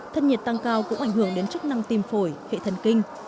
thân nhiệt tăng cao cũng ảnh hưởng đến chức năng tim phổi hệ thần kinh